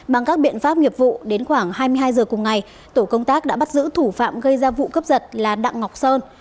bằng các biện pháp nghiệp vụ đến khoảng hai mươi hai h cùng ngày tổ công tác đã bắt giữ thủ phạm gây ra vụ cướp giật là đặng ngọc sơn